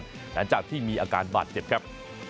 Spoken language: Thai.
หลังจากที่มีอาการบาดเจ็บครับ